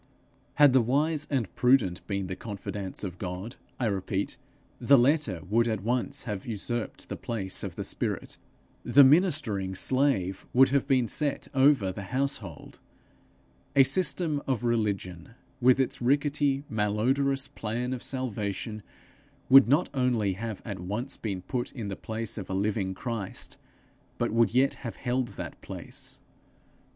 Had the wise and prudent been the confidants of God, I repeat, the letter would at once have usurped the place of the spirit; the ministering slave would have been set over the household; a system of religion, with its rickety, malodorous plan of salvation, would not only have at once been put in the place of a living Christ, but would yet have held that place.